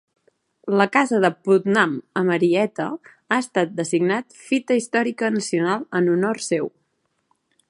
La casa de Putnam a Marietta ha estat designat Fita Històrica nacional en honor seu.